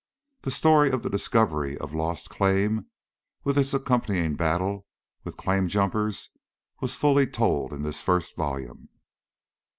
The story of the discovery of Lost Claim, with its accompanying battle with claim jumpers, was fully told in this first volume.